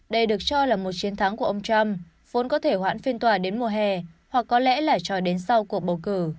đây được cho là một chiến thắng của ông trump vốn có thể hoãn phiên tòa đến mùa hè hoặc có lẽ là cho đến sau cuộc bầu cử